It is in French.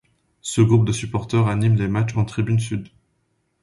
Ce groupe de supporteurs anime les matchs en tribune sud.